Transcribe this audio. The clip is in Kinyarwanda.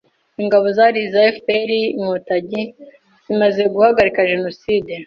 Ingabo zari iza F.P.R Inkotanyi zimaze guhagarika Jenoside